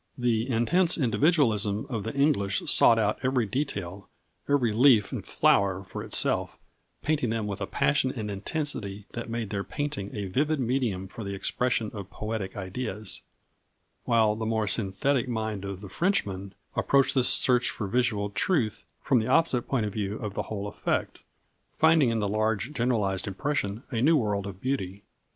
The intense individualism of the English sought out every detail, every leaf and flower for itself, painting them with a passion and intensity that made their painting a vivid medium for the expression of poetic ideas; while the more synthetic mind of the Frenchman approached this search for visual truth from the opposite point of view of the whole effect, finding in the large, generalised impression a new world of beauty.